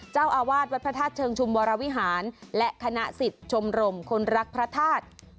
เจ้าอาวาสวัดพระธาตุเชิงชุมวรวิหารและคณะสิทธิ์ชมรมคนรักพระธาตุ